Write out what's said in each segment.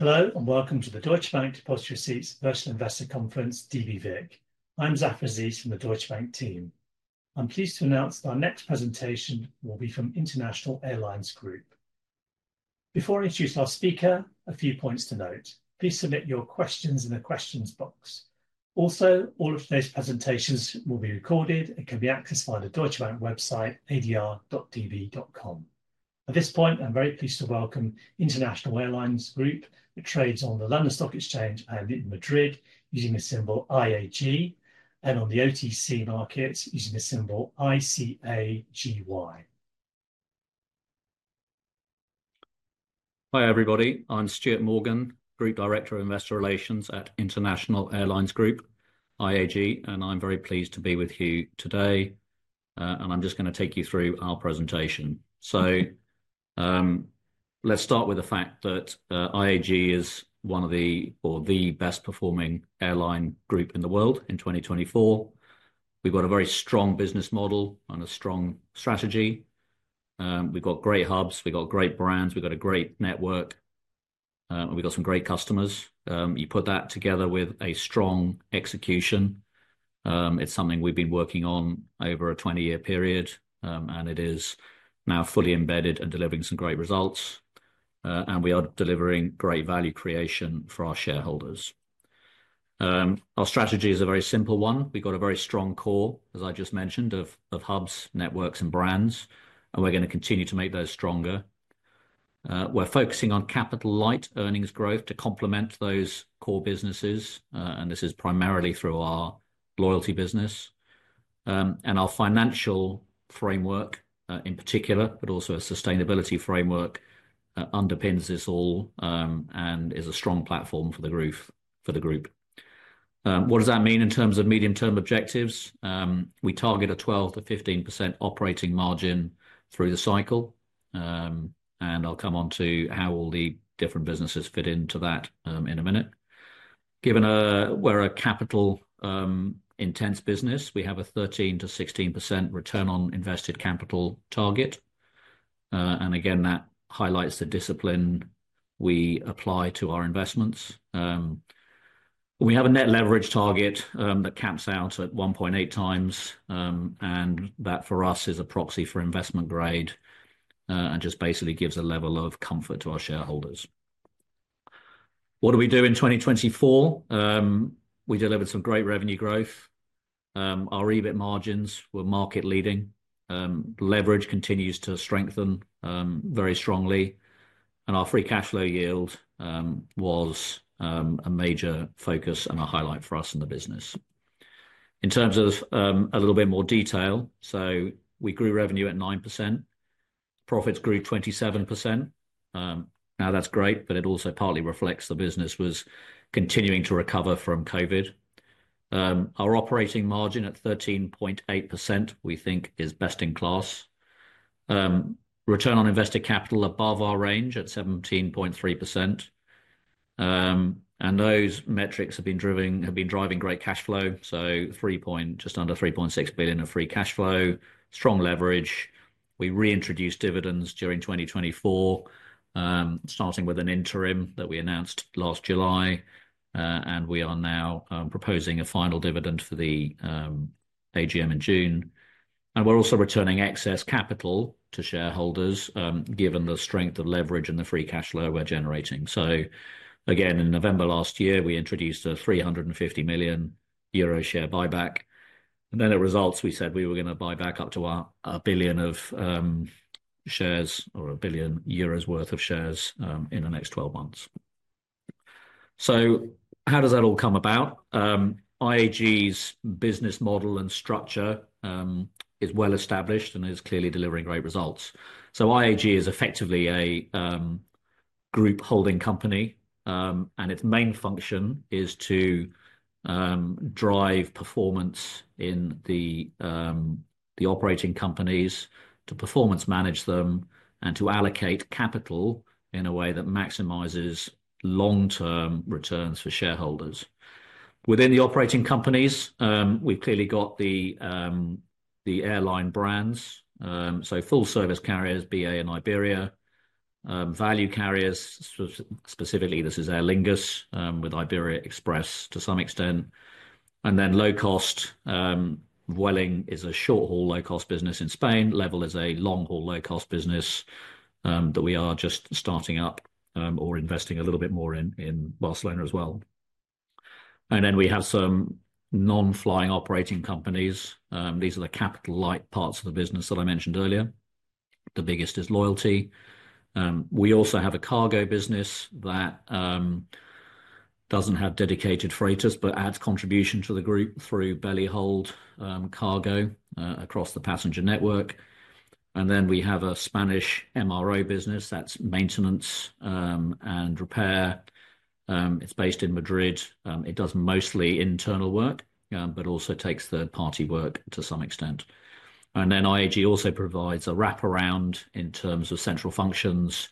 Hello, and welcome to the Deutsche Bank Deposit Receipts Versus Investor Conference, DRVIC. I'm Zafar Azis from the Deutsche Bank team. I'm pleased to announce that our next presentation will be from International Airlines Group. Before I introduce our speaker, a few points to note. Please submit your questions in the Questions Box. Also, all of today's presentations will be recorded and can be accessed via the Deutsche Bank website, adr.db.com. At this point, I'm very pleased to welcome International Consolidated Airlines Group, which trades on the London Stock Exchange and in Madrid using the symbol IAG, and on the OTC Markets using the symbol ICAGY. Hi everybody, I'm Stuart Morgan, Group Director of Investor Relations at International Airlines Group, IAG, and I'm very pleased to be with you today, and I'm just going to take you through our presentation. Let's start with the fact that IAG is one of the best performing airline groups in the world in 2024. We've got a very strong business model and a strong strategy. We've got great hubs, we've got great brands, we've got a great network, and we've got some great customers. You put that together with strong execution, it's something we've been working on over a 20-year period, and it is now fully embedded and delivering some great results, and we are delivering great value creation for our shareholders. Our strategy is a very simple one. We've got a very strong core, as I just mentioned, of hubs, networks, and brands, and we're going to continue to make those stronger. We're focusing on capital-light earnings growth to complement those core businesses, and this is primarily through our loyalty business. Our financial framework in particular, but also a sustainability framework, underpins this all and is a strong platform for the group. What does that mean in terms of medium-term objectives? We target a 12-15% operating margin through the cycle, and I'll come on to how all the different businesses fit into that in a minute. Given we're a capital-intense business, we have a 13-16% return on invested capital target, and again, that highlights the discipline we apply to our investments. We have a net leverage target that caps out at 1.8 times, and that for us is a proxy for investment grade and just basically gives a level of comfort to our shareholders. What do we do in 2024? We delivered some great revenue growth. Our EBIT margins were market-leading. Leverage continues to strengthen very strongly, and our free cash flow yield was a major focus and a highlight for us in the business. In terms of a little bit more detail, so we grew revenue at 9%, profits grew 27%. Now that's great, but it also partly reflects the business was continuing to recover from COVID. Our operating margin at 13.8%, we think, is best in class. Return on invested capital above our range at 17.3%. And those metrics have been driving great cash flow, so just under 3.6 billion of free cash flow, strong leverage. We reintroduced dividends during 2024, starting with an interim that we announced last July, and we are now proposing a final dividend for the AGM in June. We are also returning excess capital to shareholders given the strength of leverage and the free cash flow we are generating. In November last year, we introduced a 350 million euro share buyback, and then at results, we said we were going to buy back up to 1 billion of shares or 1 billion euros worth of shares in the next 12 months. How does that all come about? IAG's business model and structure is well established and is clearly delivering great results. IAG is effectively a group holding company, and its main function is to drive performance in the operating companies, to performance manage them, and to allocate capital in a way that maximizes long-term returns for shareholders. Within the operating companies, we've clearly got the airline brands, so full service carriers, BA and Iberia, value carriers, specifically this is Aer Lingus with Iberia Express to some extent, and then low-cost. Vueling is a short-haul low-cost business in Spain. Level is a long-haul low-cost business that we are just starting up or investing a little bit more in Barcelona as well. We have some non-flying operating companies. These are the capital-light parts of the business that I mentioned earlier. The biggest is loyalty. We also have a cargo business that does not have dedicated freighters but adds contribution to the group through belly hold cargo across the passenger network. We have a Spanish MRO business that is maintenance and repair. It is based in Madrid. It does mostly internal work but also takes third-party work to some extent. IAG also provides a wraparound in terms of central functions,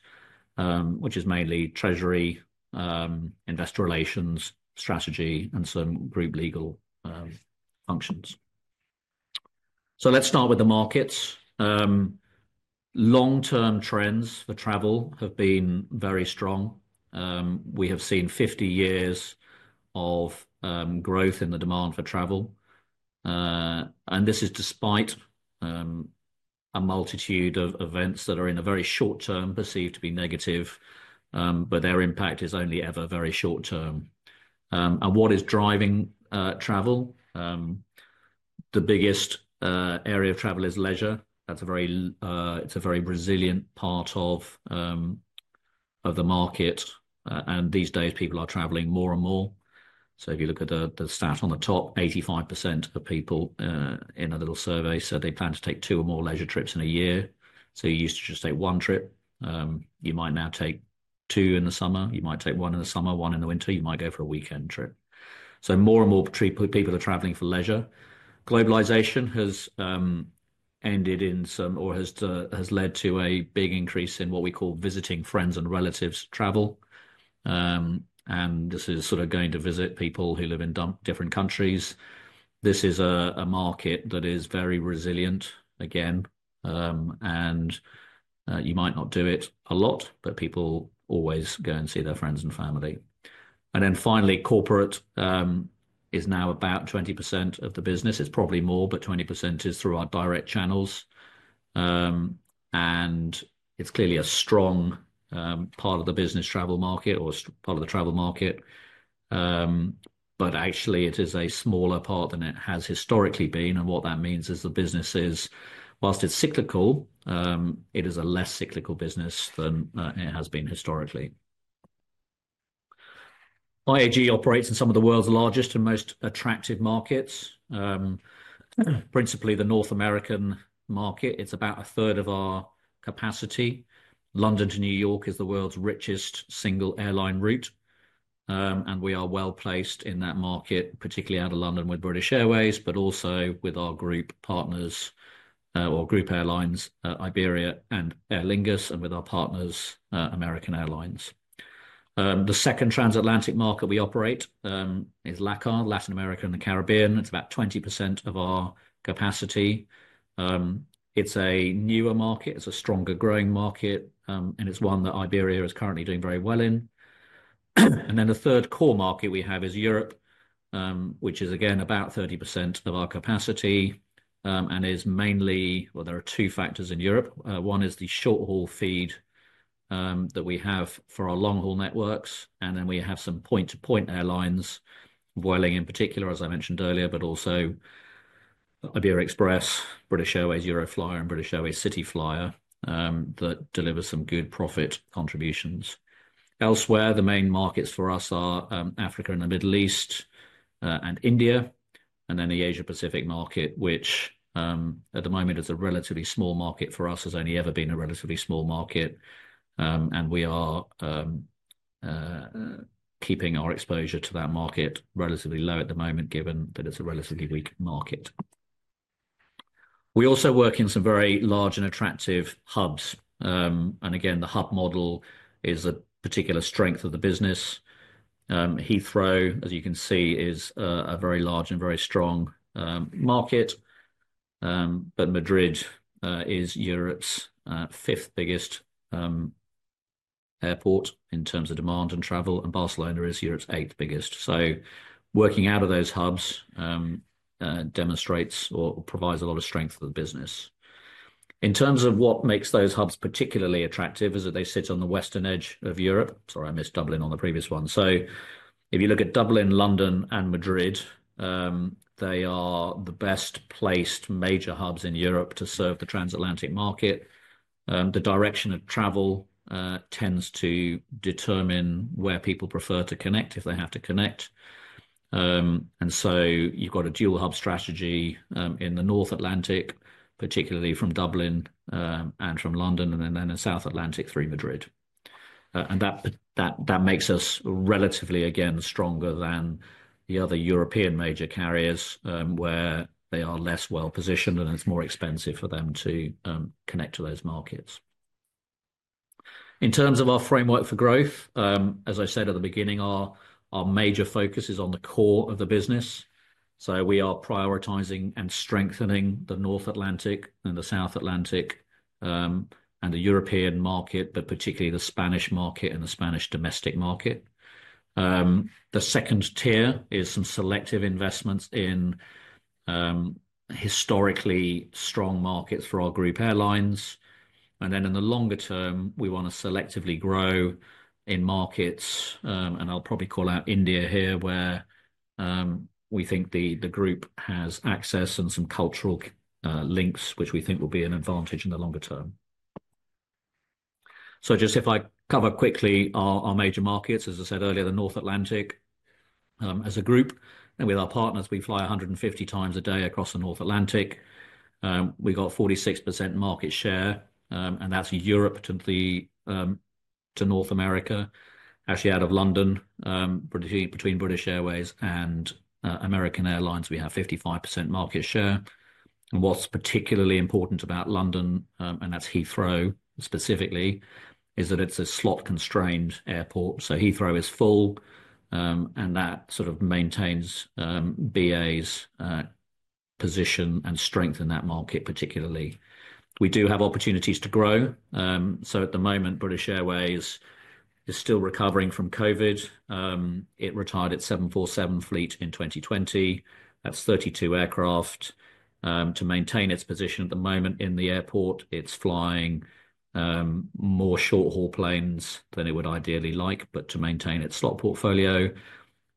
which is mainly treasury, investor relations, strategy, and some group legal functions. Let's start with the markets. Long-term trends for travel have been very strong. We have seen 50 years of growth in the demand for travel, and this is despite a multitude of events that are in the very short term perceived to be negative, but their impact is only ever very short term. What is driving travel? The biggest area of travel is leisure. That's a very resilient part of the market, and these days people are traveling more and more. If you look at the stat on the top, 85% of people in a little survey said they plan to take two or more leisure trips in a year. You used to just take one trip. You might now take two in the summer. You might take one in the summer, one in the winter. You might go for a weekend trip. More and more people are traveling for leisure. Globalization has ended in some or has led to a big increase in what we call visiting friends and relatives travel. This is sort of going to visit people who live in different countries. This is a market that is very resilient, again, and you might not do it a lot, but people always go and see their friends and family. Finally, corporate is now about 20% of the business. It is probably more, but 20% is through our direct channels. It is clearly a strong part of the business travel market or part of the travel market, but actually it is a smaller part than it has historically been. What that means is the business is, whilst it is cyclical, it is a less cyclical business than it has been historically. IAG operates in some of the world's largest and most attractive markets, principally the North American market. It is about a third of our capacity. London to New York is the world's richest single airline route, and we are well placed in that market, particularly out of London with British Airways, but also with our group partners or group airlines, Iberia and Aer Lingus, and with our partners, American Airlines. The second transatlantic market we operate is LACAR, Latin America and the Caribbean. It is about 20% of our capacity. It is a newer market. It is a stronger growing market, and it is one that Iberia is currently doing very well in. The third core market we have is Europe, which is again about 30% of our capacity and is mainly, well, there are two factors in Europe. One is the short-haul feed that we have for our long-haul networks, and then we have some point-to-point airlines, Vueling in particular, as I mentioned earlier, but also Iberia Express, British Airways Euroflyer, and British Airways Cityflyer that deliver some good profit contributions. Elsewhere, the main markets for us are Africa and the Middle East and India, and then the Asia-Pacific market, which at the moment is a relatively small market for us. It has only ever been a relatively small market, and we are keeping our exposure to that market relatively low at the moment, given that it is a relatively weak market. We also work in some very large and attractive hubs, and again, the hub model is a particular strength of the business. Heathrow, as you can see, is a very large and very strong market, but Madrid is Europe's fifth biggest airport in terms of demand and travel, and Barcelona is Europe's eighth biggest. Working out of those hubs demonstrates or provides a lot of strength for the business. In terms of what makes those hubs particularly attractive, is that they sit on the western edge of Europe. Sorry, I missed Dublin on the previous one. If you look at Dublin, London, and Madrid, they are the best-placed major hubs in Europe to serve the transatlantic market. The direction of travel tends to determine where people prefer to connect if they have to connect. You have a dual hub strategy in the North Atlantic, particularly from Dublin and from London, and then the South Atlantic through Madrid. That makes us relatively, again, stronger than the other European major carriers where they are less well positioned, and it is more expensive for them to connect to those markets. In terms of our framework for growth, as I said at the beginning, our major focus is on the core of the business. We are prioritizing and strengthening the North Atlantic and the South Atlantic and the European market, but particularly the Spanish market and the Spanish domestic market. The second tier is some selective investments in historically strong markets for our group airlines. In the longer term, we want to selectively grow in markets, and I'll probably call out India here where we think the group has access and some cultural links, which we think will be an advantage in the longer term. If I cover quickly our major markets, as I said earlier, the North Atlantic as a group. With our partners, we fly 150 times a day across the North Atlantic. We've got 46% market share, and that's Europe to North America. Actually, out of London, between British Airways and American Airlines, we have 55% market share. What's particularly important about London, and that's Heathrow specifically, is that it's a slot-constrained airport. Heathrow is full, and that sort of maintains BA's position and strength in that market particularly. We do have opportunities to grow. At the moment, British Airways is still recovering from COVID. It retired its 747 fleet in 2020. That is 32 aircraft. To maintain its position at the moment in the airport, it is flying more short-haul planes than it would ideally like, but to maintain its slot portfolio.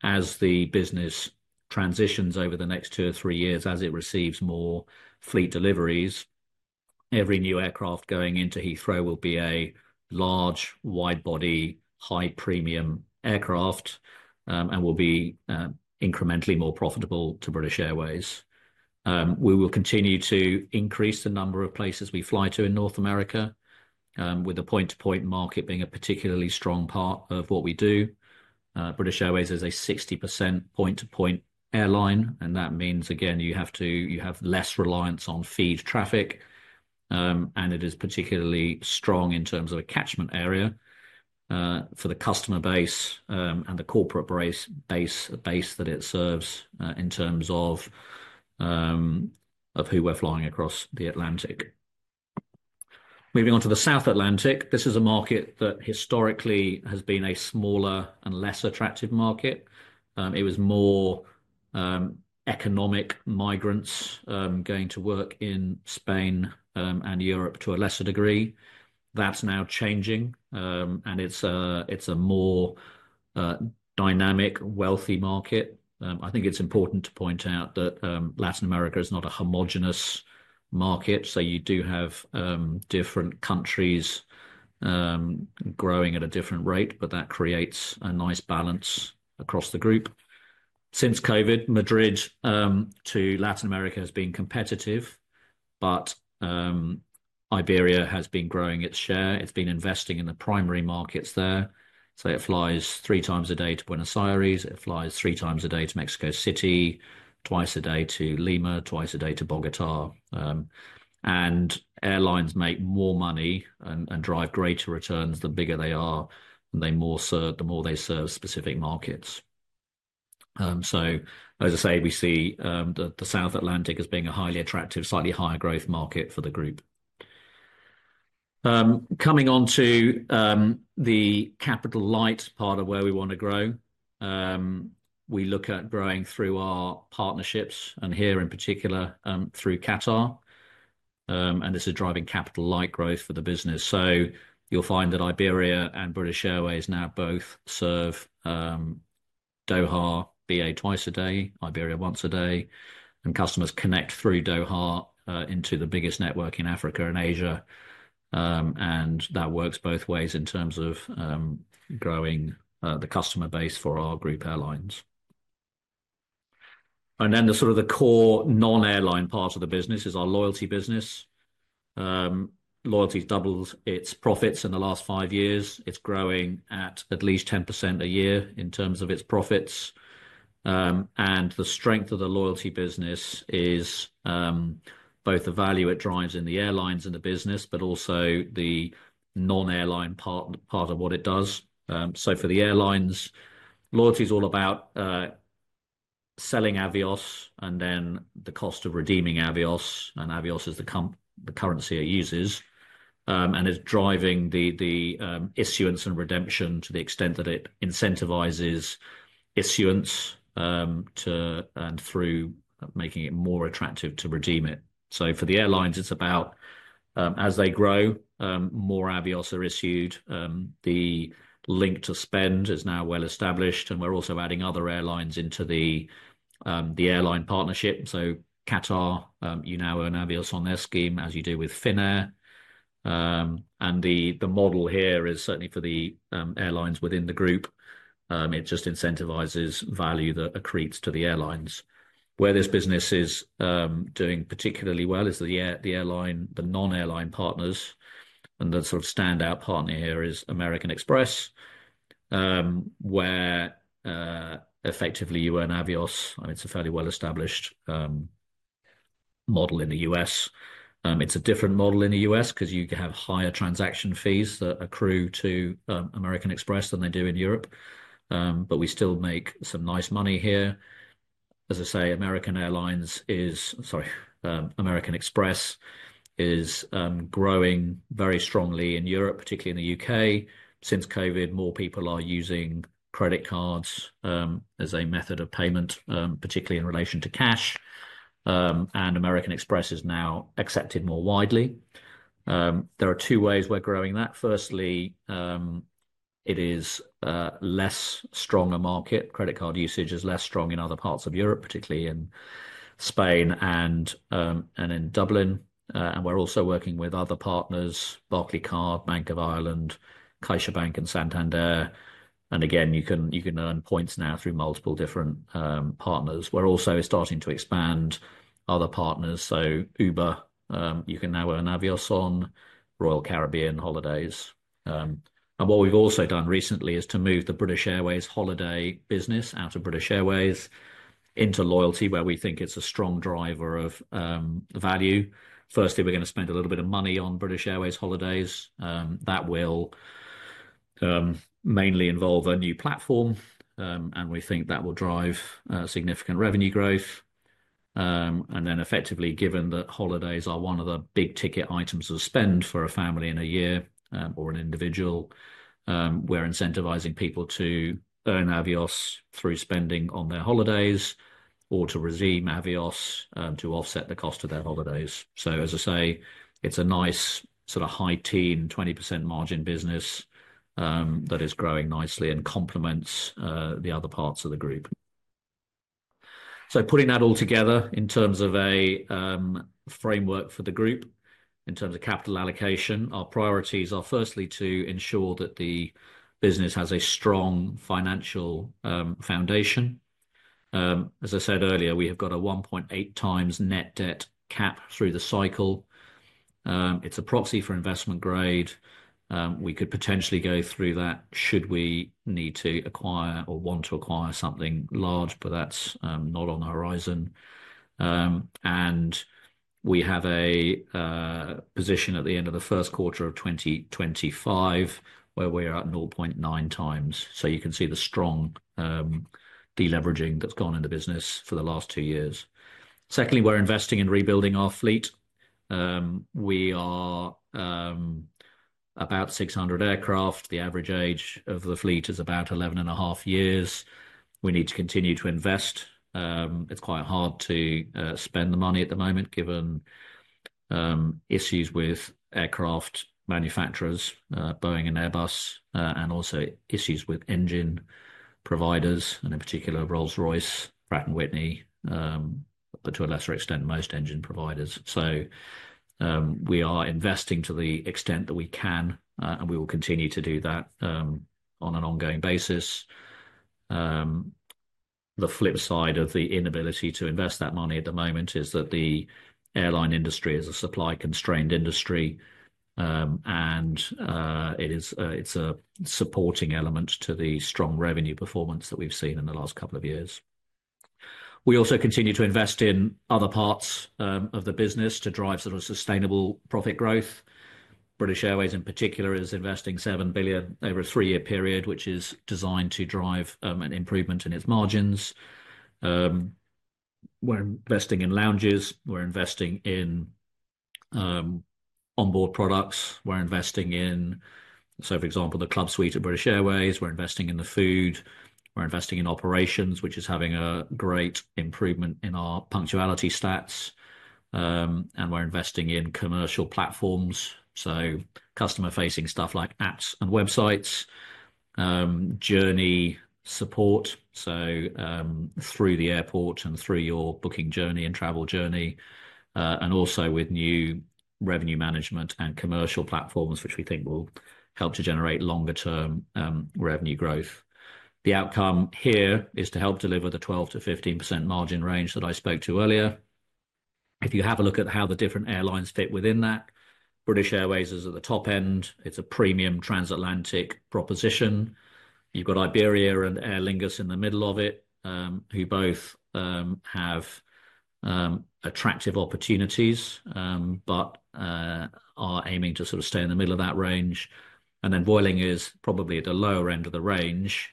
As the business transitions over the next two or three years, as it receives more fleet deliveries, every new aircraft going into Heathrow will be a large, wide-body, high-premium aircraft and will be incrementally more profitable to British Airways. We will continue to increase the number of places we fly to in North America, with the point-to-point market being a particularly strong part of what we do. British Airways is a 60% point-to-point airline, and that means, again, you have less reliance on feed traffic, and it is particularly strong in terms of a catchment area for the customer base and the corporate base that it serves in terms of who we're flying across the Atlantic. Moving on to the South Atlantic, this is a market that historically has been a smaller and less attractive market. It was more economic migrants going to work in Spain and Europe to a lesser degree. That's now changing, and it's a more dynamic, wealthy market. I think it's important to point out that Latin America is not a homogenous market, so you do have different countries growing at a different rate, but that creates a nice balance across the group. Since COVID, Madrid to Latin America has been competitive, but Iberia has been growing its share. It's been investing in the primary markets there. It flies three times a day to Buenos Aires. It flies three times a day to Mexico City, twice a day to Lima, twice a day to Bogotá. Airlines make more money and drive greater returns the bigger they are, and the more they serve specific markets. As I say, we see the South Atlantic as being a highly attractive, slightly higher growth market for the group. Coming on to the capital-light part of where we want to grow, we look at growing through our partnerships, and here in particular through Qatar. This is driving capital-light growth for the business. You'll find that Iberia and British Airways now both serve Doha, BA twice a day, Iberia once a day, and customers connect through Doha into the biggest network in Africa and Asia. That works both ways in terms of growing the customer base for our group airlines. The sort of the core non-airline part of the business is our loyalty business. Loyalty has doubled its profits in the last five years. It is growing at at least 10% a year in terms of its profits. The strength of the loyalty business is both the value it drives in the airlines and the business, but also the non-airline part of what it does. For the airlines, loyalty is all about selling Avios and then the cost of redeeming Avios. Avios is the currency it uses and is driving the issuance and redemption to the extent that it incentivizes issuance and through making it more attractive to redeem it. For the airlines, it is about as they grow, more Avios are issued. The link to spend is now well established, and we're also adding other airlines into the airline partnership. Qatar, you now own Avios on their scheme as you do with Finnair. The model here is certainly for the airlines within the group. It just incentivizes value that accretes to the airlines. Where this business is doing particularly well is the non-airline partners. The sort of standout partner here is American Express, where effectively you own Avios. It's a fairly well-established model in the U.S. It's a different model in the U.S. because you have higher transaction fees that accrue to American Express than they do in Europe. We still make some nice money here. As I say, American Express is growing very strongly in Europe, particularly in the U.K. Since COVID, more people are using credit cards as a method of payment, particularly in relation to cash. American Express is now accepted more widely. There are two ways we are growing that. Firstly, it is less strong a market. Credit card usage is less strong in other parts of Europe, particularly in Spain and in Dublin. We are also working with other partners, Barclaycard, Bank of Ireland, CaixaBank, and Santander. You can earn points now through multiple different partners. We are also starting to expand other partners. Uber, you can now earn Avios on Royal Caribbean holidays. What we have also done recently is to move the British Airways holiday business out of British Airways into loyalty, where we think it is a strong driver of value. Firstly, we are going to spend a little bit of money on British Airways holidays. That will mainly involve a new platform, and we think that will drive significant revenue growth. Then effectively, given that holidays are one of the big ticket items of spend for a family in a year or an individual, we're incentivizing people to earn Avios through spending on their holidays or to redeem Avios to offset the cost of their holidays. As I say, it's a nice sort of high-teen, 20% margin business that is growing nicely and complements the other parts of the group. Putting that all together in terms of a framework for the group, in terms of capital allocation, our priorities are firstly to ensure that the business has a strong financial foundation. As I said earlier, we have got a 1.8 times net debt cap through the cycle. It's a proxy for investment grade. We could potentially go through that should we need to acquire or want to acquire something large, but that's not on the horizon. We have a position at the end of the first quarter of 2025 where we are at 0.9 times. You can see the strong deleveraging that's gone in the business for the last two years. Secondly, we're investing in rebuilding our fleet. We are about 600 aircraft. The average age of the fleet is about 11 and a half years. We need to continue to invest. It's quite hard to spend the money at the moment given issues with aircraft manufacturers, Boeing and Airbus, and also issues with engine providers, in particular, Rolls-Royce, Pratt & Whitney, but to a lesser extent, most engine providers. We are investing to the extent that we can, and we will continue to do that on an ongoing basis. The flip side of the inability to invest that money at the moment is that the airline industry is a supply-constrained industry, and it is a supporting element to the strong revenue performance that we have seen in the last couple of years. We also continue to invest in other parts of the business to drive sort of sustainable profit growth. British Airways, in particular, is investing 7 billion over a three-year period, which is designed to drive an improvement in its margins. We are investing in lounges. We are investing in onboard products. We are investing in, so for example, the Club Suite at British Airways. We are investing in the food. We are investing in operations, which is having a great improvement in our punctuality stats. We're investing in commercial platforms, so customer-facing stuff like apps and websites, journey support, so through the airport and through your booking journey and travel journey, and also with new revenue management and commercial platforms, which we think will help to generate longer-term revenue growth. The outcome here is to help deliver the 12-15% margin range that I spoke to earlier. If you have a look at how the different airlines fit within that, British Airways is at the top end. It's a premium transatlantic proposition. You've got Iberia and Aer Lingus in the middle of it, who both have attractive opportunities but are aiming to sort of stay in the middle of that range. Boeing is probably at the lower end of the range,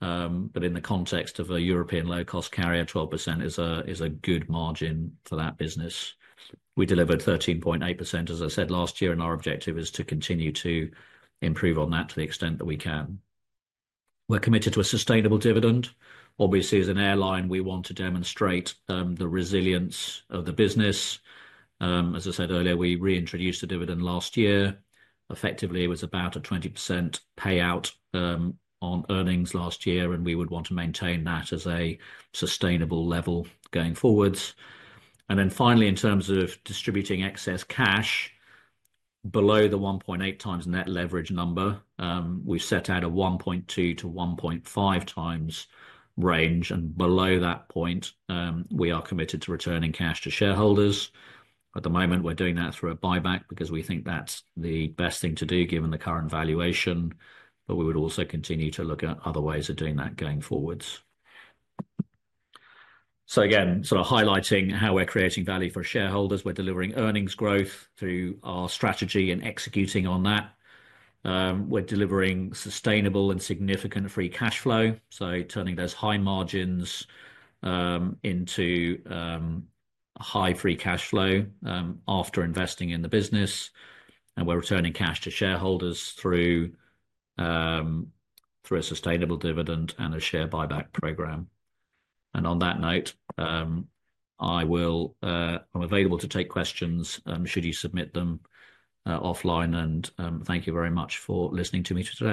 but in the context of a European low-cost carrier, 12% is a good margin for that business. We delivered 13.8%, as I said, last year, and our objective is to continue to improve on that to the extent that we can. We're committed to a sustainable dividend. Obviously, as an airline, we want to demonstrate the resilience of the business. As I said earlier, we reintroduced the dividend last year. Effectively, it was about a 20% payout on earnings last year, and we would want to maintain that as a sustainable level going forwards. Finally, in terms of distributing excess cash, below the 1.8x net leverage number, we've set out a 1.2x-1.5x range. Below that point, we are committed to returning cash to shareholders. At the moment, we're doing that through a buyback because we think that's the best thing to do given the current valuation. We would also continue to look at other ways of doing that going forwards. Again, sort of highlighting how we're creating value for shareholders. We're delivering earnings growth through our strategy and executing on that. We're delivering sustainable and significant free cash flow, turning those high margins into high free cash flow after investing in the business. We're returning cash to shareholders through a sustainable dividend and a share buyback program. On that note, I'm available to take questions should you submit them offline. Thank you very much for listening to me today.